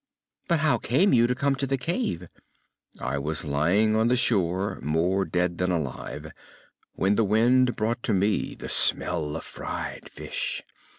"But how came you to come to the cave?" "I was lying on the shore more dead than alive when the wind brought to me the smell of fried fish.